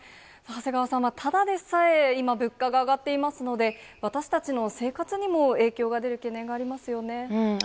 長谷川さん、ただでさえ今、物価が上がっていますので、私たちの生活にも影響が出る懸念がありますよね。